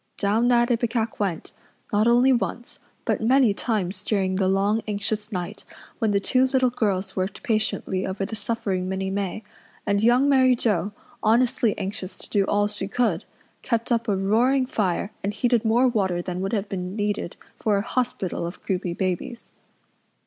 Down that ipecac went, not only once, but many times during the long, anxious night when the two little girls worked patiently over the suffering Minnie May, and Young Mary Joe, honestly anxious to do all she could, kept up a roaring fire and heated more water than would have been needed for a hospital of croupy babies.